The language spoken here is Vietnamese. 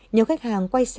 nhiều khách hàng quay xe